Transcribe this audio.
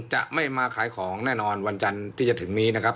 จะไม่มาขายของแน่นอนวันจันทร์ที่จะถึงนี้นะครับ